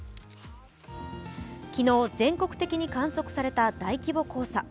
昨日、全国的に観測された大規模黄砂。